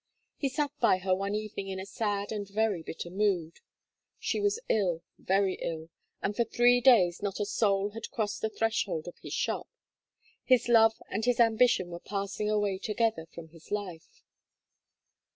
He sat by her one evening in a sad and very bitter mood. She was ill, very ill, and for three days not a soul had crossed the threshold of his shop. His love and his ambition were passing away together from his life.